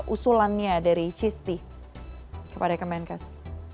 usulannya dari cisti kepada kemenkes